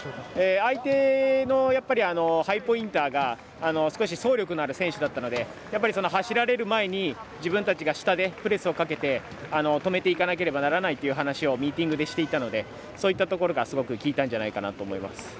相手のハイポインターが走力のある選手だったので走られる前に自分たちが下でプレスをかけて止めていかなければならないという話をミーティングでしていたのでそういうところがきいたんじゃないかなと思います。